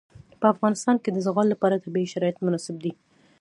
په افغانستان کې د زغال لپاره طبیعي شرایط مناسب دي.